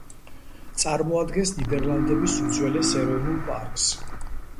წარმოადგენს ნიდერლანდების უძველეს ეროვნულ პარკს.